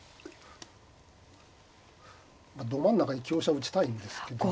ど真ん中に香車打ちたいんですけどね。